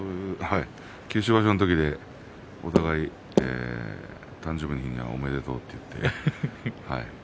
九州場所の時、お互い誕生日の日にはおめでとうと言って。